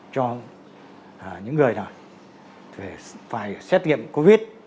cho những người nào phải xét nghiệm covid